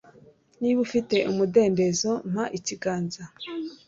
Niba ufite umudendezo mpa ikiganza